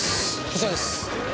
こちらです。